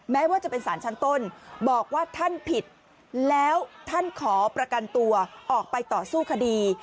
แม้ว่าจะเป็นสารชั้นต้นบอกว่าท่านผิดแล้วท่านขอประกันตัวออกไปต่อสู้คดี